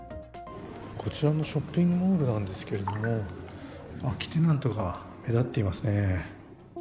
こちらのショッピングモールなんですが、空きテナントが目立ってますね。